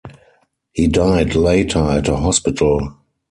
He died later at a hospital.